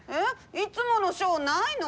いつものショーないの？